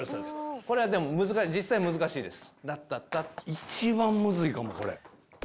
これは実際難しいです。